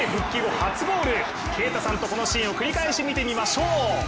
初ゴール、啓太さんとこのゴールを繰り返し見てみましょう。